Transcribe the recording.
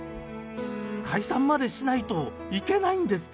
解散までしないといけないんですか？